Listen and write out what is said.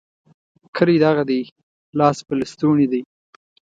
کلی دغه دی؛ لاس په لستوڼي دی.